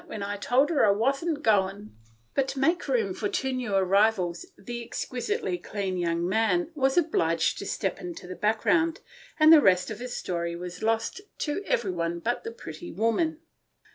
What do you think the brute did " But to make room for two new arrivals, the exquisitely clean young man was obliged to step into the background, and the rest of his story was lost to everyone but the pretty woman.